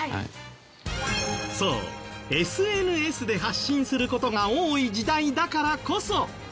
そうＳＮＳで発信する事が多い時代だからこそ。